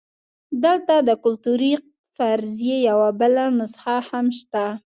دلته د کلتوري فرضیې یوه بله نسخه هم شته.